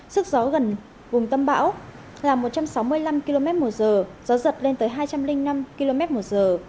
sức gió gần vùng tâm bão là một trăm sáu mươi năm km một giờ gió giật lên tới hai trăm linh năm km một giờ